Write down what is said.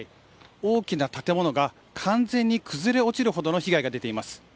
大きな建物が完全に崩れ落ちるほどの被害が出ています。